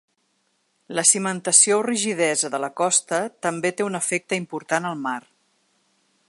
La cimentació o rigidesa de la costa també té un efecte important al mar.